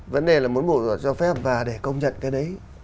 vấn đề là muốn bộ giáo dục và đào tạo cho phép và để công nhận cái đấy